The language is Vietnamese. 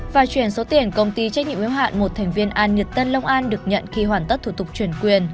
và chuyển số tiền công ty trách nhiệm yếu hạn một thành viên an nhật tân long an được nhận khi hoàn tất thủ tục chuyển quyền